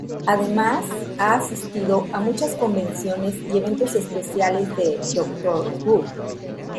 Además, ha asistido a muchas convenciones y eventos especiales de "Doctor Who".